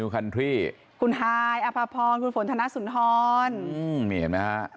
คุณฮายอภพรคุณฝนธนสุนทรอืมมีเห็นไหมฮะ